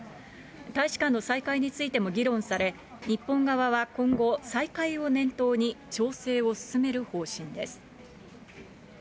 大使館の再開についても議論され、日本側は今後、再開を念頭に調整を進める方針です。